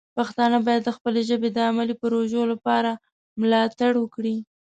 پښتانه باید د خپلې ژبې د علمي پروژو لپاره مالتړ وکړي.